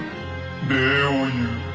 礼を言う。